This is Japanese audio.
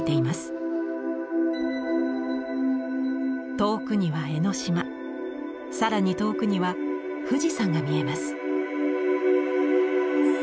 遠くには江ノ島更に遠くには富士山が見えます。